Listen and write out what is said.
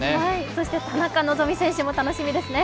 そして田中希実選手も楽しみですね。